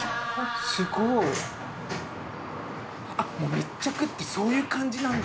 すごい。あっ密着ってそういう感じなんだ。